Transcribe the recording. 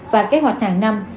và kế hoạch hàng năm